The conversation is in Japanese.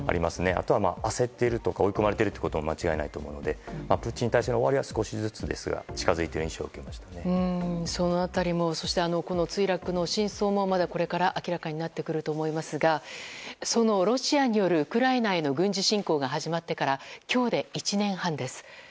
あとは焦っているとか追い込まれているということは間違いないと思うのでプーチン体制の終わりは少しずつですがその辺りも墜落の真相も、これから明らかになってくると思いますがそのロシアによるウクライナへの軍事侵攻が始まってから今日で１年半です。